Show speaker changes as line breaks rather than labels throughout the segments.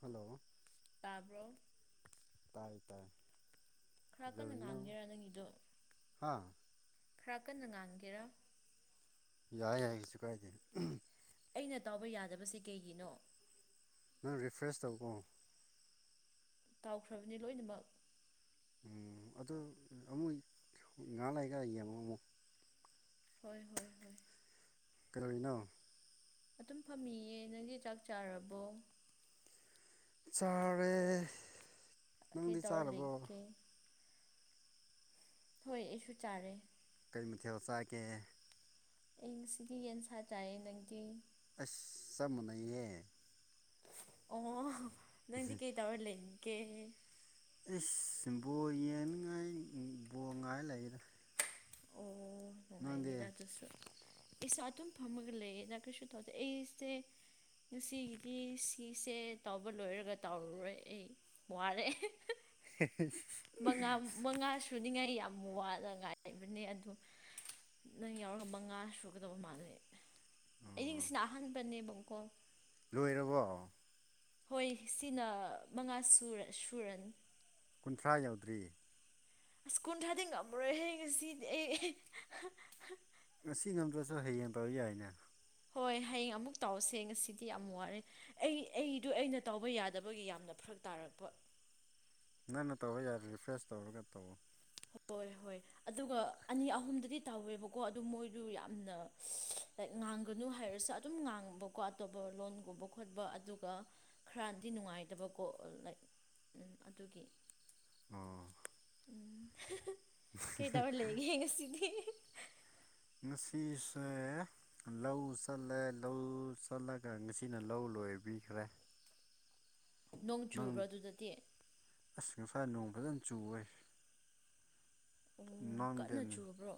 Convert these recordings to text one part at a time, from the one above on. hello
ꯇꯥꯔꯕ
ꯇꯥꯏꯇꯔ
ꯈꯔ ꯀꯟꯅ ꯉꯥꯡꯒꯦꯔꯥ ꯅꯪꯒꯤꯗꯣ
ꯍꯥ
ꯈꯔ ꯀꯟꯅ ꯉꯥꯟꯒꯦꯔꯥ
ꯌꯥꯏ ꯌꯥꯏ ꯀꯩꯁꯨ ꯀꯥꯏꯗ
ꯑꯩꯅ ꯇꯥꯎꯕ ꯌꯥꯗꯕꯁꯤ ꯀꯩꯒꯤꯅꯣ
ꯅꯪ ꯔꯤꯐ꯭ꯔꯦꯁ ꯇꯧꯀꯣ
ꯇꯥꯎꯈ꯭ꯔꯕꯅꯤ ꯂꯣꯏꯅꯃꯛ
ꯎꯝ ꯑꯗ ꯑꯃꯨ ꯉꯥ ꯂꯩꯒ ꯂꯩꯒ ꯑꯃ ꯑꯃꯨꯛ
ꯍꯣꯏ ꯍꯣꯏ ꯍꯣꯏ
ꯀꯔꯅꯣ
ꯑꯗꯨꯝ ꯐꯝꯃꯤꯌꯦ ꯅꯪꯒꯤ ꯆꯥꯛ ꯆꯥꯔꯕꯣ
ꯆꯥꯔꯦ
ꯀꯩ
ꯅꯪꯗꯤ
ꯇꯧꯔ
ꯆꯥꯔꯕꯣ
ꯂꯩꯒꯦ ꯍꯣꯏ ꯑꯩꯁꯨ ꯆꯥꯔꯦ
ꯃꯤꯊꯦꯜ ꯆꯒꯦ
ꯑꯩ ꯉꯁꯤꯗꯤ ꯌꯦꯟ ꯁꯥ ꯆꯥꯏꯌꯦꯦ ꯅꯪꯒꯤ
ꯑꯅꯌꯦ
ꯑꯣ ꯅꯪꯗꯤ ꯀꯩ ꯇꯧꯔ ꯂꯩꯒꯦ
ꯑꯦꯁ ꯕꯣ ꯌꯦꯡꯅꯤꯉꯥꯏ ꯕꯣ ꯉꯥꯏ ꯂꯩꯔꯦ
ꯑꯩꯁꯨꯥ ꯑꯗꯨꯝ ꯐꯝꯃꯒ ꯂꯩ ꯅ ꯀꯩꯁꯨ ꯇꯧ ꯑꯩ ꯉꯁꯤꯒꯤꯗꯤ ꯁꯤꯁꯦ ꯇꯧꯕ ꯂꯣꯏꯔꯒ ꯇꯧꯔꯨꯔꯣꯏ ꯑꯩ ꯋꯥꯔꯦ
ꯍꯥ
ꯃꯉꯥ ꯃꯉꯥ ꯁꯨꯅꯤꯉꯥꯏ ꯌꯥꯝ ꯋꯥꯅ ꯉꯥꯏꯕꯅꯦ ꯑꯗꯨ ꯅꯪ ꯌꯥꯎꯔꯒ ꯃꯉꯥ ꯁꯨꯒꯗꯕ ꯃꯥꯜꯂꯦ
ꯑꯣ
ꯑꯩꯗꯤꯁꯤꯅ ꯑꯍꯥꯟꯕꯅꯦꯕꯀꯣ
ꯂꯣꯏꯔꯕꯣ
ꯍꯣꯏ ꯁꯤꯅ ꯃꯉꯥ ꯁꯨꯔ ꯁꯨꯔꯅꯤ
ꯀꯨꯟꯊ꯭ꯔꯥ ꯌꯥꯎꯗ꯭ꯔꯤ
ꯑꯁ ꯀꯨꯟ ꯊꯥꯗꯤ ꯉꯝꯃꯔꯣꯏꯍꯦ ꯉꯁꯤꯗꯤ ꯑꯩ
ꯉꯁꯤ ꯉꯝꯗ꯭ꯔꯁꯨ ꯍꯌꯦꯡ ꯇꯧ ꯌꯥꯏꯅꯦ
ꯍꯣꯏ ꯍꯌꯦꯡ ꯑꯃꯨꯛ ꯇꯧꯁꯦ ꯉꯁꯤꯗꯤ ꯌꯥꯝ ꯋꯥꯔꯦ ꯑꯩ ꯑꯩꯗꯣ ꯑꯩꯅ ꯇꯧꯕ ꯌꯥꯗꯕꯒꯤ ꯌꯥꯝꯅ ꯐꯩ ꯐꯔꯛ ꯇꯥꯔꯛꯄ
[inaudible] ꯀꯟꯅ ꯇꯧꯕ ꯌꯥꯔꯦ ꯔꯤꯐ꯭ꯔꯦꯁ ꯇꯧꯔꯒ ꯇꯧ
ꯍꯣꯏ ꯍꯣꯏ ꯑꯗꯨꯒ ꯑꯅꯤ ꯑꯍꯨꯝꯗꯗꯤ ꯇꯧꯋꯦꯕꯀꯣ ꯑꯗꯨ ꯃꯣꯏꯗꯨ ꯌꯥꯝꯅ ꯂꯥꯏꯛ ꯉꯥꯡꯒꯅꯨ ꯍꯥꯏꯩꯔꯁꯨ ꯑꯗꯨꯝ ꯉꯥꯡꯕꯀꯣ ꯑꯇꯣꯞꯄ ꯂꯣꯟꯒꯨꯝꯕ ꯈꯣꯠꯄ ꯑꯗꯨꯒ ꯈꯔꯗꯤ ꯅꯨꯡꯉꯥꯏꯇꯕꯀꯣ ꯂꯥꯏ ꯑꯗꯨꯒꯤ
ꯑꯣ
ꯀꯩ ꯇꯔ ꯂꯩꯒꯦ ꯉꯁꯤꯗꯤ
ꯉꯁꯤꯁꯦ ꯂꯧ ꯆꯜꯂꯦ ꯂꯧ ꯆꯜꯂꯒ ꯉꯁꯤꯅ ꯂꯧ ꯂꯣꯏꯕꯤꯈ꯭ꯔꯦ
ꯅꯣꯡ
ꯅꯪ
ꯆꯨꯕ꯭ꯔꯥ ꯑꯗꯨꯗꯗꯤ
ꯑꯁ ꯉꯁꯥ ꯅꯣꯡ ꯐꯖꯅ ꯆꯨꯋꯦ
ꯑꯣ ꯀꯟꯅ
ꯅꯪꯗꯦꯅꯦ
ꯆꯨꯔꯕ꯭ꯔꯣ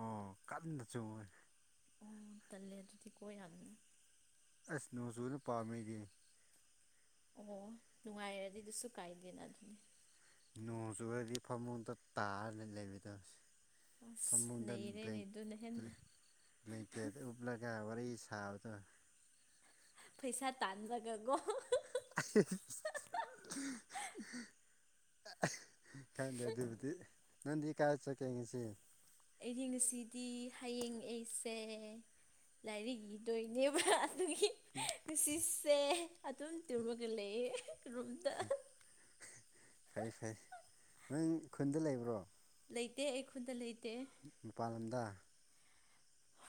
ꯑꯣ ꯀꯥꯗ ꯆꯣꯡ ꯃꯣꯏ
ꯑꯣ ꯇꯜꯂꯦ ꯑꯗꯨꯗꯤ ꯀꯣ ꯌꯥꯝꯅꯅꯦ
ꯑꯁ ꯅ ꯁꯨꯅ ꯄꯥꯗꯤ
ꯑꯣ ꯅꯨꯡꯉꯥꯏꯔꯗꯤ ꯑꯗꯨꯁꯨ ꯀꯥꯏꯗꯦꯅ ꯑꯗꯨꯅꯤ
ꯅꯣꯡ ꯆꯨꯨꯔꯗꯤ ꯐꯃꯨꯡꯗ ꯇꯥꯔꯗꯤ ꯂꯩꯕꯤꯗꯔꯁ
ꯑꯁ
ꯐꯃꯨꯡꯗ
ꯅꯩꯔꯦꯅꯦ ꯑꯗꯨꯅ ꯍꯦꯟꯅ
ꯕ꯭ꯂꯦꯡꯀꯦꯠ ꯎꯞꯂꯒ ꯋꯥꯔꯤ ꯊꯥꯕꯗ
ꯄꯩꯁꯥ ꯇꯥꯟꯖꯒꯦꯒꯣ
ꯑꯤꯁ ꯈꯪꯗꯦ ꯑꯗꯨꯕꯨꯗꯤ ꯅꯪꯗꯤ ꯀꯥꯏ ꯆꯠꯀꯦ ꯉꯁꯤ
ꯑꯩꯗꯤꯡꯁꯤꯗꯤ ꯍꯌꯦꯡ ꯑꯩꯁꯦ ꯂꯥꯏꯔꯤꯛ ꯏꯗꯣꯏꯅꯦꯕ ꯑꯗꯨꯒꯤ ꯅꯨꯡꯁꯤꯁꯦ ꯑꯗꯨꯝ ꯇꯨꯔꯃꯒ ꯂꯩ ꯔꯨꯝꯗ
ꯐꯩ ꯐꯩ ꯅꯪ ꯈꯨꯟꯗ ꯂꯩꯕ꯭ꯔꯣ
ꯂꯩꯇꯦ ꯑꯩ ꯈꯨꯟꯗ ꯂꯩ
ꯃꯄꯥꯟ ꯂꯝꯗ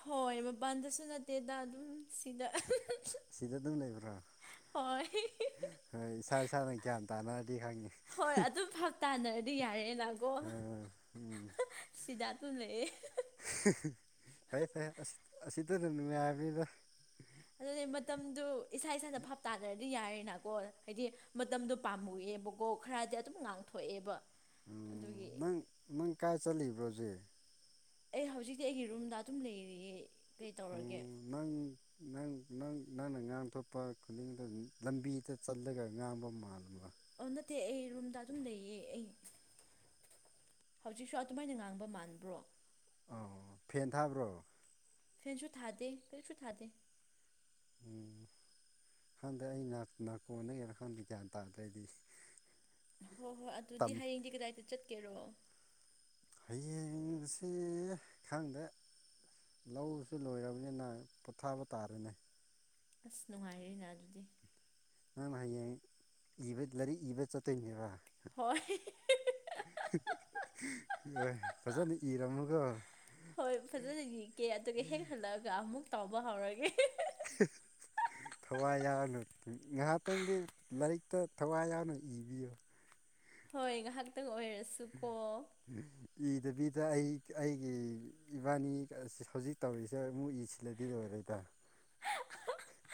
ꯍꯣꯏ ꯃꯄꯥꯟꯗꯁꯨ ꯅꯠꯇꯦꯗ ꯑꯗꯨꯝ ꯁꯤꯗ
ꯑꯁꯤꯗ ꯑꯗꯨꯝ ꯂꯩꯕ꯭ꯔꯣ
ꯍꯣꯏ
ꯍꯣꯏ ꯏꯁꯥ ꯏꯁꯥꯅ ꯒ꯭ꯌꯥꯟ ꯇꯥꯅꯔꯗꯤ ꯈꯪꯉꯦ
ꯁꯥꯟꯅꯔꯗꯤ ꯌꯥꯔꯦ ꯂꯥꯛꯀꯣ ꯁꯤꯗ ꯑꯗꯨꯝ ꯂꯩꯑꯦ
ꯐꯔꯦ ꯐꯔꯦ ꯑꯁꯤꯗ ꯑꯗꯨꯝ ꯉꯥꯏꯅꯤꯗꯣ
ꯑꯗꯨꯗꯤ ꯃꯇꯝꯗꯨ ꯏꯁꯥ ꯏꯁꯥꯅ ꯐꯥꯞ ꯇꯥꯅꯔꯅꯤ ꯍꯥꯏꯗꯤ ꯌꯥꯔꯤꯦꯅꯀꯣ ꯍꯥꯏꯗꯤ ꯃꯇꯝꯗꯣ ꯄꯥꯝꯃꯨꯑꯦꯕꯀꯣ ꯈꯔꯗꯤ ꯑꯗꯨꯝ ꯉꯥꯡꯊꯣꯛꯑꯦꯕ
ꯎꯝ
ꯑꯗꯨꯒꯤ
ꯅꯪ ꯅꯪ ꯀꯥꯏ ꯆꯠꯂꯤꯕ꯭ꯔꯣꯁꯦ
ꯑꯩ ꯍꯧꯖꯤꯛꯇꯤ ꯑꯩꯒꯤ ꯔꯨꯝꯗ ꯑꯗꯨꯝ ꯂꯩꯔꯤ‌ꯌꯦ
ꯑꯣ ꯅꯪ ꯅꯪ ꯅꯪ ꯅꯪꯅ ꯉꯥꯡꯊꯣꯛꯄ ꯈꯨꯗꯤꯡꯗ ꯂꯝꯕꯤꯗ ꯆꯜꯂꯒ ꯉꯥꯡꯕ ꯃꯥꯜꯂ
ꯑꯣ ꯅꯠꯇꯦ ꯑꯩ ꯔꯨꯝꯗ ꯑꯗꯨꯝ ꯂꯩꯌꯦ ꯑꯩ ꯍꯧꯖꯤꯛꯁꯨ ꯑꯗꯨꯃꯥꯏꯅ ꯉꯥꯡꯕ ꯃꯥꯟꯕ꯭ꯔꯣ
ꯑ ꯐꯦꯟ ꯊꯥꯕ꯭ꯔꯣ
ꯐꯦꯟꯁꯨ ꯊꯥꯗꯦ ꯀꯔꯤꯁꯨ ꯊꯥꯗꯦ
ꯎꯝ ꯈꯪꯗꯦ ꯑꯩ ꯅꯥꯀꯣꯟꯅꯒꯅ ꯈꯪꯗꯦ ꯒ꯭ꯌꯥꯟ ꯇꯥꯗ ꯑꯩꯗꯤ
ꯍꯣꯏ ꯍꯣꯏ
ꯇꯝ
ꯑꯗꯨꯗꯤ ꯍꯌꯦꯡꯗꯤ ꯀꯗꯥꯏꯗ ꯆꯠꯀꯦꯔꯣ
ꯍꯌꯦꯡꯕꯁꯤ ꯈꯪꯗꯦ ꯂꯧꯁꯤ ꯂꯣꯏꯔꯕꯅꯤꯅ ꯄꯣꯊꯥꯕ ꯇꯥꯔꯦꯅꯦ
ꯑꯁ ꯅꯨꯡꯉꯥꯏꯔꯤꯔꯤꯅꯦ ꯑꯗꯨꯗꯤ
ꯅꯪꯅ ꯍꯌꯦꯡ ꯏꯕ ꯂꯥꯏꯔꯤꯛ ꯏꯕ ꯆꯠꯇꯣꯏꯅꯦꯕ
ꯍꯣꯏ
ꯑꯦ ꯐꯖꯅ ꯏꯔꯝꯃꯨꯀꯣ
ꯍꯣꯏ ꯐꯖꯅ ꯌꯦꯅꯤꯛꯀꯦ ꯑꯗꯨꯒ ꯍꯦꯛ ꯍꯜꯂꯛꯑꯒ ꯑꯃꯨꯛ ꯇꯥꯎꯕ ꯍꯧꯔꯒꯦ
[inaudible] ꯊꯋꯥꯏ ꯌꯥꯎꯅ ꯉꯥꯏꯍꯥꯛꯇꯪꯗꯤ ꯂꯥꯏꯔꯤꯛꯇ ꯊꯋꯥꯏ ꯌꯥꯎꯅ ꯏꯕꯤꯌꯨ
ꯍꯣꯏ ꯉꯥꯏꯍꯥꯛꯇꯪ ꯑꯣꯏꯔꯁꯨꯀꯣ
ꯏꯗꯕꯤꯗ ꯑꯩ ꯑꯩꯒꯤ ꯏꯕꯥꯅꯤ ꯍꯧꯖꯤꯛ ꯇꯧꯔꯤꯁꯦ ꯑꯃꯨꯛ ꯏꯁꯤꯜꯂꯗꯤ ꯂꯣꯏꯔꯦ ꯗ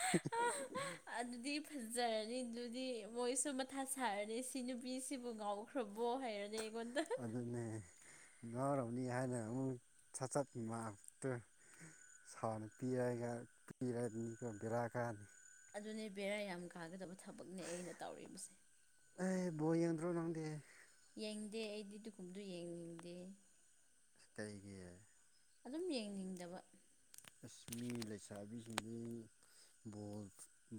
[inaudible]
ꯑꯗꯨꯗꯤ ꯐꯖꯔꯅꯤ ꯑꯗꯨꯗꯤ ꯃꯣꯏꯁꯨ ꯃꯊꯥ ꯁꯥꯔꯅꯤ ꯁꯤ ꯅꯨꯄꯤꯁꯤꯕꯨ ꯉꯥꯎꯈ꯭ꯔꯕ ꯕ ꯍꯥꯏꯔꯗꯤ
ꯑꯗꯨꯅꯦ ꯉꯥꯎꯔꯔꯕꯅꯤ ꯍꯥꯏꯅ ꯑꯃꯨꯛ ꯁꯠꯆꯠ ꯉꯥꯛꯇꯨ ꯁꯥꯎ ꯄꯤꯔ ꯄꯤꯔ ꯔꯥ ꯀ
ꯑꯗꯨꯅꯦ ꯕꯦꯔꯥ ꯌꯥꯝ ꯀꯥꯒꯗꯕ ꯊꯕꯛꯅꯦ ꯑꯩꯅ ꯇꯧꯕꯁꯦ
ꯕꯣ ꯌꯥꯡꯗ꯭ꯔꯣ ꯅꯪꯗꯦ
ꯌꯦꯡꯗꯦ ꯑꯩꯗꯤ ꯗꯨꯀꯨꯝꯗꯨ ꯌꯦꯡꯅꯤꯡꯗꯦ
ꯆꯇꯩꯒꯤ
ꯑꯗꯨꯝ ꯌꯦꯡꯅꯤꯡꯗꯕ
ꯑꯁꯃꯤ ꯂꯩꯁꯥꯕꯤꯁꯤꯡ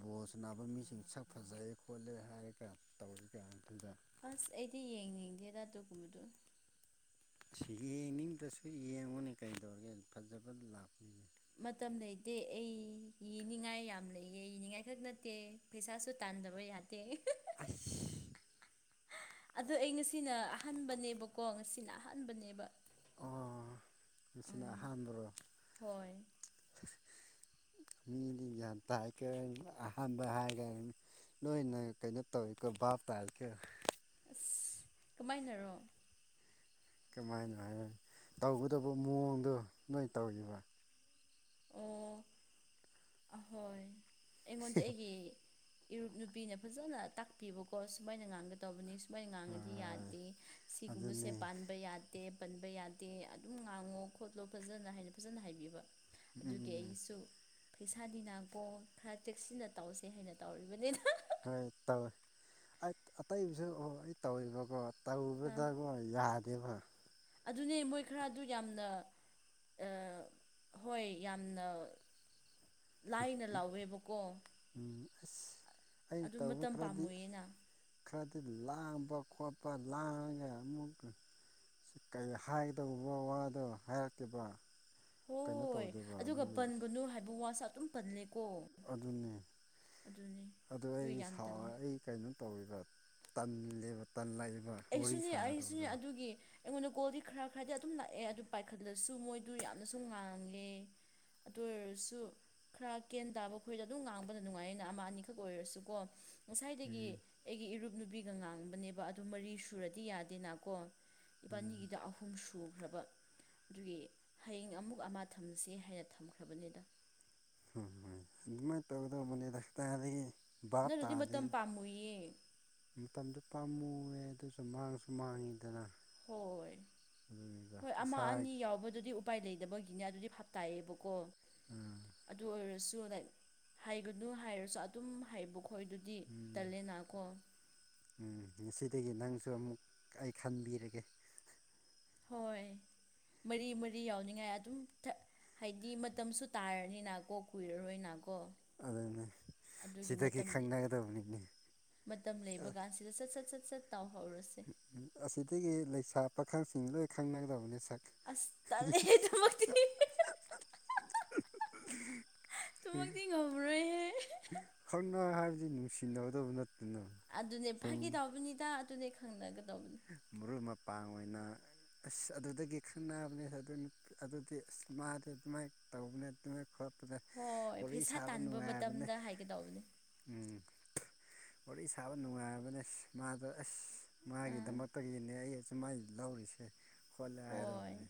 ꯕꯣꯜꯁ ꯅꯥꯕ ꯃꯤꯁꯤꯡ ꯁꯛ ꯐꯖꯔꯦ ꯈꯣꯠꯂꯦ ꯍꯥꯏꯔ ꯀ ꯇꯧꯒꯦ ꯀ ꯈꯟꯖꯦ
ꯑꯁ ꯑꯩꯗꯤ ꯌꯦꯡꯅꯤꯡꯗꯦ ꯑꯗꯥ ꯇꯣꯀꯨꯕꯗꯣ
ꯁꯤ ꯌꯦꯡꯅꯤꯡꯕꯗꯁꯨ ꯌꯦꯡꯉꯨꯅꯦ ꯀꯩꯗꯧꯔꯒꯦ ꯐꯖꯕ ꯂꯥꯛꯄꯅꯦ
ꯃꯇꯝ ꯂꯩꯇꯦ ꯑꯩꯅꯤꯡꯉꯥꯏ ꯌꯥꯝ ꯂꯩꯌꯦꯅꯤꯡꯉꯥꯏ ꯈꯛ ꯅꯠꯇꯦ ꯄꯩꯁꯥꯁꯨ ꯇꯥ ꯥꯟꯖꯕ ꯌꯥꯗ
ꯑ
ꯑ ꯑꯩ ꯉꯁꯤꯅ ꯑꯍꯥꯟꯕꯅꯦꯕꯀꯣ ꯉꯁꯤꯅ ꯑꯍꯥꯟꯕꯅꯦꯕ
ꯑꯣ ꯅꯆꯤꯅꯥ
ꯎꯝ
ꯍꯟꯕ꯭ꯔꯣ
ꯍꯣꯏ
ꯃꯤ ꯌꯥꯄꯥꯏ ꯀ ꯑꯍꯥꯟꯕꯕ ꯍꯥꯏꯥꯏꯒ ꯅꯣꯏꯅ ꯀꯩꯅꯣ ꯇꯧꯋꯀꯣ ꯚꯥꯞ ꯇꯥꯔꯤꯀꯦ
ꯑꯁ ꯀꯃꯥꯏꯅꯔꯣ
ꯀꯃꯥꯏꯅꯣ ꯍꯥꯏꯅꯤ ꯇꯧꯒꯇꯕꯨ ꯃꯑꯣꯡꯗꯣ ꯅꯣꯏ ꯇꯧꯈꯤꯕ
ꯑꯣ ꯍꯣꯏ ꯑꯩꯉꯣꯟꯗ ꯑꯩꯒꯤ ꯨꯞ ꯅꯨꯄꯤꯅ ꯐꯖꯅ ꯇꯥꯛꯄꯤꯕꯀꯣ ꯁꯨꯃꯥꯏꯅ ꯉꯥꯡꯒꯗꯧꯕꯅꯤ ꯃꯣꯏ ꯉꯥꯡꯉꯗꯤ
ꯍꯣꯏ
ꯌꯥꯗꯦ ꯁꯤꯒꯨꯝꯕꯁꯦ
ꯑꯗꯨꯅꯤ
ꯄꯥꯟꯕ ꯌꯥ ꯇꯦ ꯄꯟꯕ ꯌꯥꯗꯦ ꯑꯗꯨꯝ ꯉꯥꯡꯉꯣ ꯈꯣꯠꯂꯣ ꯐꯖꯅ ꯍꯥꯏꯅ ꯐꯖꯅ ꯍꯥꯏꯕꯤꯕ ꯑꯗꯨꯒꯤ
ꯎꯝ
ꯑꯩꯁꯨ ꯐꯩꯁꯥ ꯅꯥꯀꯣ ꯈꯔ ꯆꯦꯛꯁꯤꯟꯅ ꯇꯧꯁꯦ ꯍꯥꯏꯅ ꯇꯧꯔꯤꯕꯅꯤꯅ
ꯍꯣꯏ ꯇꯧꯋꯦ ꯑꯇꯩꯁꯨ ꯑꯣ ꯑꯩ ꯇꯧꯔꯤꯕꯀꯣ
ꯑꯥ
ꯇꯧꯕꯗꯕꯨ ꯌꯥꯗꯦꯕ
ꯑꯗꯨꯅꯦ ꯃꯣꯏ ꯈꯔ ꯑꯗꯨ ꯌꯥꯝꯅ ꯍꯣꯏ ꯌꯥꯝꯅ ꯂꯥꯏꯅ ꯂꯥꯎꯋꯦꯕꯀꯣ
ꯎꯝ ꯑꯁ ꯑꯩꯅ
ꯑꯗꯨ
ꯇꯧꯕ
ꯃꯇꯝ
ꯈꯔꯗꯤ
ꯄꯥꯝꯃꯨꯌꯦꯅ
ꯈꯔꯗꯤ ꯂꯥꯡꯕ ꯈꯣꯠꯄ ꯂꯥꯡꯉꯒ ꯑꯃꯨꯛ ꯁꯤ ꯀꯔꯤ ꯍꯥꯏꯒꯗꯧꯕ ꯋꯥꯗꯣ ꯍꯥꯏꯔꯛꯀꯦꯈꯤꯕ
ꯍꯣꯏ ꯑꯗꯨꯒ ꯄꯟꯒꯅꯨ ꯍꯥꯏꯕ ꯋꯥꯁ ꯑꯗꯨꯝ ꯄꯂ
ꯑꯗꯨꯅꯦ ꯑ
ꯑꯗꯨ
ꯑꯩ
ꯌꯥꯝ ꯇꯜꯂꯤ
ꯑꯩ ꯀꯩꯅꯣ ꯇꯧꯔꯤꯕ ꯇꯦꯕ ꯇꯟ ꯂꯏꯕ
ꯑꯩꯁꯨꯅꯦ ꯑꯩꯁꯨꯅꯦ ꯑꯗꯨꯒꯤ ꯑꯩꯉꯣꯟꯗ ꯒꯣꯜꯗꯤ ꯈꯔ ꯈꯔꯗꯤ ꯑꯗꯨꯝ ꯂꯥꯛꯑꯦ ꯑꯗꯨ ꯄꯥꯏꯈꯠꯂꯁꯨ ꯃꯣꯏꯗꯨ ꯌꯥꯝꯅꯁꯨ ꯉꯥꯡꯉꯦ ꯑꯗꯨ ꯑꯣꯏꯔꯁꯨ ꯈꯔ ꯀꯦꯟ ꯇꯥꯕ ꯈꯣꯏꯗ ꯑꯗꯨꯝ ꯉꯥꯡꯕꯗ ꯅꯨꯡꯉꯥꯏꯌꯦꯩꯅ ꯑꯃ ꯑꯅꯤꯈꯛ ꯑꯣꯏꯔꯁꯨꯀꯣ ꯉꯁꯥꯏꯗꯒꯤ
ꯎꯝ
ꯑꯩꯒꯤ ꯏꯔꯨꯞ ꯅꯨꯄꯤꯒ ꯉꯥꯡꯕꯅꯦꯕ ꯑꯗꯨ ꯃꯔꯤ ꯁꯨꯔꯗꯤ ꯌꯥꯗꯦꯅꯀꯣ
ꯎꯝ
ꯏꯕꯥꯅꯤꯒꯤꯗ ꯑꯍꯨꯝ ꯁꯨꯈ꯭ꯔꯕ ꯑꯗꯨꯒꯤ ꯍꯌꯦꯡ ꯑꯃꯨꯛ ꯑꯃ ꯊꯝꯁꯤ ꯍꯥꯏꯅ ꯊꯝꯈ꯭ꯔꯕꯅꯤꯗ
ꯍꯣꯏꯣꯏ ꯑꯗꯨꯃꯥꯏꯅ ꯇꯧꯒꯗꯧꯕꯅꯤꯗ ꯍꯞꯇꯥꯗꯒꯤ ꯚꯞ
ꯅꯠꯇ꯭ꯔꯗꯤ
ꯇꯥꯗ
ꯃꯇꯝ ꯄꯥꯝꯃꯨꯏꯌꯦ
ꯃꯇꯝꯗꯨ ꯄꯥꯝꯃꯨꯑ ꯑꯗꯨꯁꯨ ꯃꯥꯡꯁꯨ ꯃꯥꯡꯉꯤꯗꯅ
ꯍꯣꯏ
ꯑꯗꯨꯅꯤꯗ
ꯍꯣꯏ ꯑꯃ
ꯏꯁꯥ
ꯑꯅꯤ ꯌꯥꯎꯕꯗꯨꯗꯤ ꯎꯄꯥꯏ ꯂꯩꯇꯕꯒꯤꯅꯦ ꯑꯗꯨꯗꯤ ꯍꯥꯞ ꯇꯥꯏꯌꯦꯦꯕꯀꯣ
ꯎꯝ
ꯑꯗꯨ ꯑꯣꯏꯔꯁꯨ ꯑꯗꯨꯨ ꯍꯥꯏꯒꯅꯨ ꯍꯥꯏꯔꯁꯨ ꯑꯗꯨꯝ ꯍꯥꯏꯕꯀꯣ ꯑꯩꯈꯣꯏꯗꯨꯗꯤ
ꯎꯝ
ꯇꯜꯂꯦꯅꯥꯀꯣ
ꯎꯝ ꯉꯁꯤꯗꯒꯤ ꯅꯪꯁꯨ ꯑꯃꯨꯛ ꯑꯩ ꯈꯟꯕꯤꯔꯒꯦ
ꯍꯣꯏ ꯃꯔꯤ ꯃꯔꯤ ꯌꯥꯎꯅꯤꯡꯉꯥꯏ ꯑꯗꯨꯝ ꯍꯥꯏꯗꯤ ꯃꯇꯝꯁꯨ ꯇꯥꯔꯅꯤꯅꯀꯣ ꯀꯨꯏꯔꯔꯣꯏꯅꯀꯣ
ꯑꯗꯨꯅ
ꯑꯗꯨꯒꯤ
ꯁꯤꯗꯒꯤ
ꯃꯇꯝ
ꯈꯪꯅꯒꯗꯕꯅꯤꯅꯦ
ꯃꯇꯝ ꯂꯩꯕ ꯀꯥꯟꯁꯤꯗ ꯁꯠ ꯁꯠ ꯁꯠ ꯁꯠ ꯇꯥꯎꯍꯧꯔꯁꯦ
ꯑꯁꯤꯗꯒꯤ ꯂꯩꯁꯥ ꯄꯥꯈꯪꯁꯤꯡ ꯂꯣꯏ ꯈꯪꯅꯒꯗꯕꯅꯤ ꯁꯛ
ꯑꯁ ꯇꯂꯦ ꯇꯨꯃꯛꯗꯤ ꯉꯝꯕꯔꯦꯍꯦ
ꯁꯤ ꯅꯨꯡꯁꯤꯅꯒꯗꯕ ꯅꯠꯇꯦ
ꯑꯗꯨꯅꯦ ꯐꯥꯈꯤ ꯇꯎꯕꯅꯤꯗ ꯑꯗꯨꯅꯦ ꯈꯪꯅꯒꯗꯧꯕ
ꯃꯔꯨꯞ ꯃꯄꯥꯡ ꯑꯣꯏꯅ ꯑꯁ ꯑꯗꯨꯗꯒꯤ ꯈꯪꯅꯕꯅꯦ ꯑꯗꯨ ꯑꯗꯨꯗꯤ ꯑꯁ ꯃꯥꯗꯤ ꯑꯗꯨꯃꯥꯏꯅ ꯇꯧꯕꯅꯦ ꯑꯗꯨꯃꯥꯏꯅ ꯈꯣꯠ ꯗ
ꯍꯣꯏ
ꯍꯠꯩ
ꯄꯩꯁꯥ
ꯁꯥꯕ
ꯇꯥꯟꯕ
ꯅꯨꯡꯉꯥꯏꯕꯅꯦ
ꯃꯇꯝꯗ ꯍꯥꯏꯒꯗꯧꯕꯅꯤ
ꯎꯝ ꯋꯥꯔꯤ ꯁꯥꯕ ꯅꯨꯡꯉꯥꯏꯔꯕꯅꯦ ꯃꯥꯗ ꯑꯁ ꯃꯥꯒꯤ
ꯑꯥ
ꯏꯅꯦ ꯑꯩꯁꯨꯃꯥꯏ ꯂꯧꯔꯤꯁꯦ ꯈꯣꯠꯂꯦ
ꯍꯣꯏ
ꯍꯥꯏꯔꯕꯅꯦ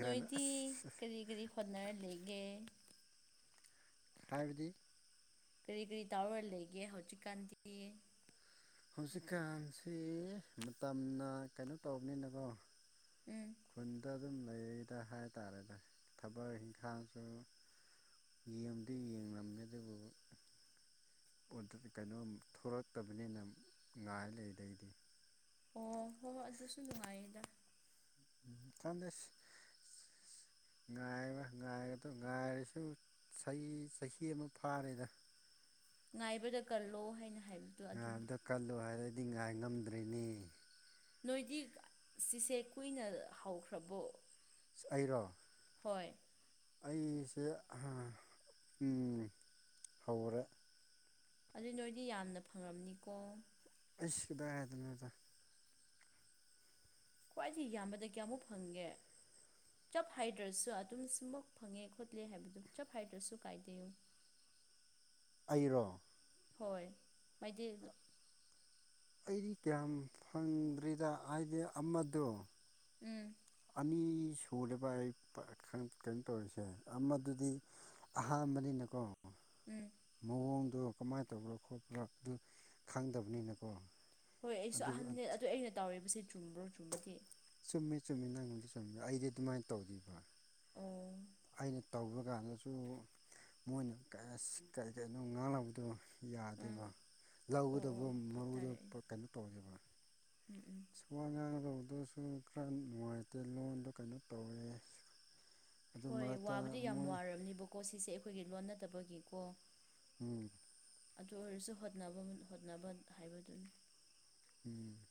ꯅꯣꯏꯗꯤ ꯀꯔꯤ ꯀꯔꯤ ꯍꯣꯠꯅꯔ ꯂꯩꯒꯦ
ꯔꯥꯏꯕꯗꯤ
ꯀꯔꯤ ꯀꯔꯤ ꯇꯥꯎꯔꯒ ꯂꯩꯒꯦ ꯍꯧꯖꯤꯛꯀꯥꯟꯗꯤ
ꯍꯧꯖꯤꯛꯀꯥꯟꯁꯤ ꯃꯇꯝꯅ ꯀꯩꯅꯣ ꯇꯧꯕꯅꯤꯅꯀꯣ
ꯎꯝ
ꯈꯨꯟꯗ ꯑꯗꯨꯝ ꯂꯩꯗ ꯍꯥꯏꯇꯥꯥꯔꯦꯅꯦ ꯊꯕꯛ ꯏꯪꯈꯥꯡꯁꯨ ꯌꯦꯦꯝꯗꯨ ꯌꯦꯡꯂꯡꯝꯃꯦ ꯑꯗꯨꯕꯨ ꯀꯩꯅꯣꯝ ꯊꯣꯛꯂꯛꯇꯕꯅꯤꯅ ꯉꯥꯏ ꯂꯩꯗꯩꯗꯤ
ꯑꯣ ꯍꯣꯏ ꯑꯗꯨꯁꯨ ꯅꯨꯡꯉꯥꯏꯗ
ꯟꯗ ꯉꯥꯏ ꯉꯥꯏꯒꯗ ꯉꯥꯏꯔꯁꯨ ꯆꯍꯤ ꯆꯍꯤ ꯑꯃ ꯐꯥꯔꯦꯗ
ꯉꯥꯏꯕꯗ ꯀꯜꯂꯣ ꯍꯥꯏꯅ ꯍꯥꯏꯕꯗꯣ ꯑꯗꯨꯅꯤ
ꯉꯥꯏꯕꯗ ꯀꯜꯂꯨ ꯍꯥꯏꯔꯗꯤ ꯉꯥꯏ ꯉꯝꯗ꯭ꯔꯔꯤꯅꯦ
ꯅꯣꯏꯗꯤ ꯆꯤꯁꯦ ꯀꯨꯏꯅ ꯍꯧꯈ꯭ꯔꯕꯣ
ꯑꯔꯣ
ꯍꯣꯏ
ꯑꯩꯁꯦ ꯍꯧꯔꯦ
ꯑꯗꯨꯏ ꯅꯣꯏꯗꯤ ꯌꯥꯝꯅ ꯐꯪꯉꯝꯅꯤꯀꯣ
ꯑꯁꯀꯤ ꯗ ꯃꯗ
ꯈ꯭ꯋꯥꯏꯗꯒꯤ ꯌꯥꯝꯕꯗꯒꯤꯌꯥ ꯑꯃꯨꯛ ꯐꯪꯒꯦ ꯆꯞ ꯍꯥꯏꯗ꯭ꯔꯁꯨ ꯑꯗꯨꯝꯁꯨꯃꯛ ꯐꯪꯉꯦ ꯈꯣꯠꯂꯦ ꯍꯥꯏꯕꯗꯨ ꯆꯞ ꯍꯥꯏꯗ꯭ꯔꯁꯨ ꯀꯥꯏꯗꯦꯌꯨ
ꯑꯔꯣ
ꯍꯣꯏ ꯃꯗꯤ
ꯑꯩꯗꯤ ꯀꯌꯥꯝ ꯐꯪꯗ꯭ꯔꯤꯗ ꯍꯥꯏꯕꯦ ꯑꯃꯗꯣ
ꯎꯝ
ꯑꯅꯤ ꯁꯦꯕ ꯑꯩ ꯀꯩꯅꯣ ꯇꯧꯔꯤꯁꯦ ꯃꯗꯨꯗꯤ ꯑꯍꯥꯝꯕꯅꯤꯅꯀꯣ
ꯎꯝ
ꯃꯑꯣꯡꯗꯣ ꯀꯃꯥꯏꯅ ꯇꯧꯕ꯭ꯔꯥ ꯈꯣꯠꯄ꯭ꯔꯥ ꯑꯗꯨ ꯈꯪꯗꯕꯅꯤꯅꯀꯣ
ꯍꯣꯏ ꯑꯩꯁꯨ
ꯑꯗꯨ
ꯑꯍꯟꯗ ꯑꯗꯨ ꯑꯩꯅ ꯇꯧꯋꯕꯁꯤ ꯆꯨꯝꯕ꯭ꯔꯣ ꯆꯨꯝꯕꯗꯤ
ꯆꯨꯝꯃꯦ ꯆꯨꯝꯃꯤ ꯅꯪꯉꯣꯟꯗꯤ ꯆꯨꯝꯃꯦ ꯑꯩꯗꯤ ꯑꯗꯨꯃꯥꯏꯅ ꯇꯧꯔꯤꯕ
ꯑꯣ
ꯑꯩꯅ ꯇꯧꯕ ꯀꯥꯟꯗꯁꯨ ꯃꯣꯏꯅ ꯀꯔꯤ ꯀꯅꯣ ꯉꯥꯡꯕꯗꯣ
ꯎꯝ
ꯌꯥꯗꯦꯕ
ꯑꯣ
ꯂꯧꯗꯕꯣ
ꯑꯣ ꯚꯥꯞ
ꯃꯔꯨꯗ
ꯇꯥꯔꯦ ꯑꯩ
ꯀꯩꯅꯣ ꯇꯧꯒꯦꯕ
ꯎꯝ ꯎꯝ
ꯁꯨꯋꯥ ꯉꯥꯡꯗꯧꯕꯗꯁꯨ ꯈꯔ ꯅꯨꯡꯉꯥꯏꯇꯦ ꯂꯣꯟꯗ ꯀꯩꯅꯣ ꯇꯧꯋꯦ ꯑꯗꯨ
ꯍꯣꯏ
ꯃꯔꯛꯇ
ꯋꯥꯕꯨꯗꯤ ꯌꯥꯝ
ꯃꯣꯏ
ꯋꯥꯔꯕꯝꯅꯦꯕꯀꯣ ꯁꯤꯁꯦ ꯑꯩꯈꯣꯏꯒꯤ ꯂꯣꯟ ꯅꯠꯇꯕꯒꯤꯀꯣ
ꯎꯝ [unintelligible] [inaudible]
ꯑꯗꯨ ꯑꯣꯏꯔꯁꯨ ꯍꯣꯠꯅꯕ ꯍꯣꯠꯅꯕ ꯍꯥꯏꯕꯗꯨꯅꯤ
ꯎꯝ [inaudible]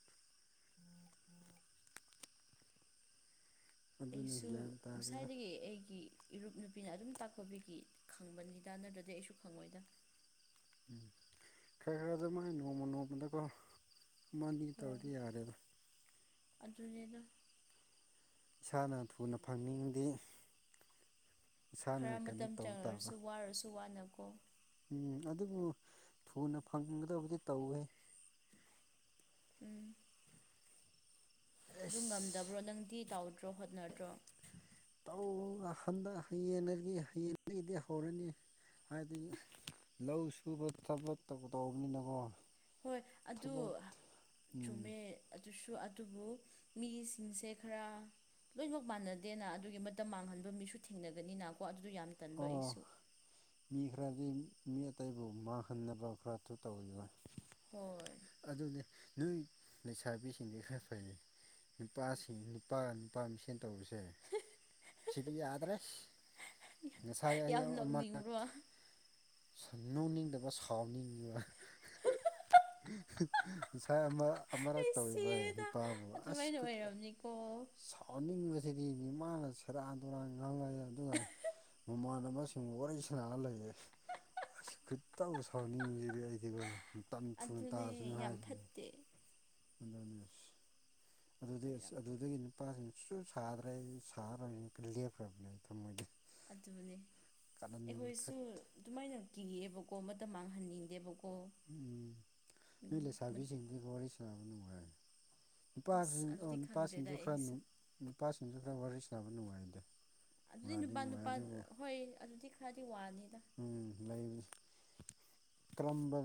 ꯑꯗꯨꯅꯤ
ꯑꯩꯁꯨ
ꯒ꯭ꯌꯥꯟ ꯇꯥꯗꯦꯗ
ꯉꯁꯥꯏꯗꯒꯤ ꯑꯩꯒꯤ ꯏꯔꯨꯞ ꯅꯨꯄꯤꯅ ꯑꯗꯨꯝ ꯇꯥꯛꯄꯕꯤꯒꯤ ꯈꯪꯕꯅꯤꯗ ꯅꯠꯇ꯭ꯔꯗꯤ ꯑꯩꯁꯨ ꯈꯪꯉꯣꯏꯗ
ꯝ ꯈꯦꯔ ꯈꯔꯗ ꯃꯥꯏ ꯅꯣꯡꯃ ꯅꯃꯥꯟꯗꯀ ꯃꯥꯅꯤ ꯇꯧꯗꯤ ꯌꯥꯔꯦꯗ
ꯑꯗꯨꯗ
ꯏꯁꯥꯅ ꯊꯨꯅ ꯐꯪꯅꯤꯡꯗꯤ ꯏꯁꯥꯅ ꯀꯩꯅꯣ ꯇꯧꯕ ꯇꯥꯕ
ꯁ ꯅꯀꯣ
ꯎꯝ ꯑꯗꯨꯕꯨ ꯊꯨꯅ ꯐꯪꯒꯗꯕꯗꯤ ꯇꯧꯋꯦ
ꯎꯝ [inaudible] ꯑꯗꯨ
ꯑꯦꯁ
ꯉꯝꯗꯕ꯭ꯔꯣ ꯅꯪꯗꯤ ꯇꯥꯎꯗ꯭ꯔꯣ ꯍꯣꯠꯅꯗ꯭ꯔꯣ
ꯇ ꯍꯟꯗꯛꯌꯦꯗꯒꯤ ꯍꯌꯦꯡꯗꯒꯤꯗꯤ ꯍꯧꯔꯅꯤ ꯍꯥꯏꯗꯤ ꯂꯧ ꯁꯨꯕ ꯊꯕ ꯊ ꯇꯧꯕꯅꯤꯅꯀꯣ
ꯍꯣꯏ ꯑꯗꯨ
ꯊꯕꯛ ꯎꯝ
ꯆꯨꯝꯃꯦ ꯑꯗꯨꯁꯨ ꯑꯗꯨꯕꯨ ꯃꯤꯁꯤꯡꯁꯦ ꯈꯔ ꯂꯣꯏꯅꯃꯛ ꯃꯥꯟꯅꯗꯦꯅ ꯑꯗꯨꯒꯤ ꯃꯇꯝ ꯃꯥꯡꯍꯟꯕ ꯃꯤꯁꯨ ꯊꯦꯡꯅꯒꯅꯤꯅꯀꯣ ꯌꯥꯝ ꯇꯟꯕ
ꯑꯣ
ꯑꯩꯁꯨ
ꯃꯤ ꯈꯔꯗꯤ ꯃꯤ ꯑꯇꯩꯕꯨ ꯃꯥꯡꯍꯟꯅꯕ ꯈꯔꯁꯨ ꯇꯧꯔꯤꯔꯣꯏ
ꯍꯣꯏ
ꯑꯗꯨꯗꯤ ꯅꯣꯏ ꯂꯩꯁꯥꯕꯤꯁꯤꯡꯗꯤ ꯈꯔ ꯐꯩ ꯅꯨꯄꯥꯁꯤꯡ ꯅꯨꯄꯥ ꯅꯨꯄꯥ ꯃꯁꯦꯟ ꯇꯧꯔꯁꯦ
[inaudible]
ꯁꯤꯠꯕꯤ ꯑꯥꯗ꯭ꯔꯦ ꯉꯁꯥꯏ
ꯌꯥꯝ
ꯑꯃ
ꯅꯣꯛꯅꯤꯡꯕ꯭ꯔꯣ
ꯣꯛꯅꯤꯡꯗꯕ ꯁꯥꯎꯅꯤꯡꯉꯤꯕ ꯉꯁꯥꯏ ꯑꯃ ꯑꯃꯛ
ꯑꯩ
ꯇꯧꯔꯤꯕ
ꯁꯤꯔꯦꯗ
ꯅꯨꯄꯥꯕꯨ ꯑꯁ
ꯑꯗꯨꯃꯥꯏꯅ ꯑꯣꯏꯔꯝꯅꯤꯀꯣ
ꯁꯥꯎꯅꯤꯡꯕ ꯖꯤꯗꯤꯅꯤ ꯃꯥꯅ ꯁꯦꯔꯥꯟ ꯇꯨꯔꯥꯟ ꯉꯥꯡꯉꯛ ꯑꯗꯨꯒ ꯃꯃꯥꯟꯅꯕꯁꯤꯡꯕꯨ ꯋꯥꯔꯤ ꯁꯥꯟꯔ ꯂꯩꯌꯦ ꯑꯩ ꯈꯨꯠꯇꯕꯨ ꯁꯥꯎꯅꯤꯡꯉꯁꯤꯗꯤ ꯑꯩꯗꯤꯕꯨꯣ ꯃꯇꯝ ꯊꯨꯅ
ꯑꯗꯨꯅꯦ
ꯇꯥꯔꯁꯨꯅꯨ
ꯌꯥꯝ
ꯍꯥꯏꯁꯤꯅꯦ
ꯐꯠꯇꯦ
ꯑꯖꯅꯤꯁꯤ ꯑꯗꯨꯗꯤ ꯑꯁ
ꯌꯥꯝ
ꯑꯗꯨꯗꯒꯤ ꯅꯨꯄꯥꯁꯤꯡ ꯁꯨꯁꯨ ꯁꯥꯗ꯭ꯔꯦ ꯑꯩ ꯁꯥꯕꯅꯤꯅ ꯂꯦꯞꯈ꯭ꯔꯕꯅꯦ ꯑꯩ ꯊꯝꯃꯣꯏꯗꯤ
ꯑꯗꯨꯅꯦ ꯑꯩꯈꯣꯏꯁꯨ
ꯈꯠ
ꯑꯗꯨꯃꯥꯏꯅ ꯀꯤꯌꯦꯦꯕꯀꯣ ꯃꯇꯝ ꯃꯥꯡꯍꯟꯅꯤꯡꯗꯦꯕꯀꯣ
ꯎꯝ ꯃ
ꯎꯝ
ꯂꯩꯁꯥꯕꯤꯁꯤꯡꯗꯤ
ꯑꯁ
ꯅꯨꯄꯥꯁꯤꯡ
ꯑꯗꯨꯗꯤ ꯈꯪꯗ꯭ꯔꯦꯗ
ꯅꯨꯄꯥꯁꯤꯡꯁꯨ ꯈꯔ
ꯑꯩꯁꯨ
ꯅꯨꯄꯥꯁꯤꯡꯁꯨ ꯈꯔ ꯋꯥꯔꯤ ꯁꯥꯅꯕ ꯅꯨꯡꯉꯥꯏꯗꯦ
ꯑꯗꯨꯗꯤ ꯅꯨꯄꯥ ꯅꯨꯄꯥ ꯍꯣꯏ ꯑꯗꯨꯗꯤ ꯈꯔꯗꯤ ꯋꯥꯅꯤ
ꯇꯔꯝꯕꯝꯕ